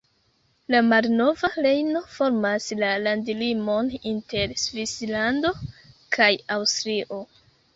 La malnova Rejno formas la landlimon inter Svislando kaj Aŭstrio.